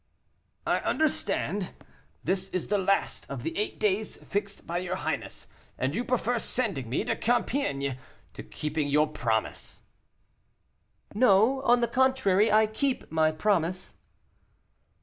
"I understand this is the last of the eight days fixed by your highness, and you prefer sending me to Compiègne to keeping your promise." "No, on the contrary; I keep my promise."